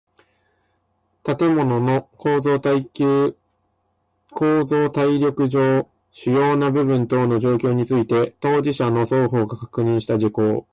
建物の構造耐力上主要な部分等の状況について当事者の双方が確認した事項